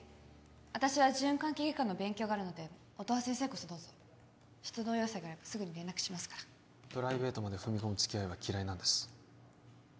私は循環器外科の勉強があるので音羽先生こそどうぞ出動要請があればすぐに連絡しますからプライベートまで踏み込む付き合いは嫌いなんです